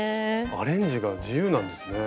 アレンジが自由なんですね。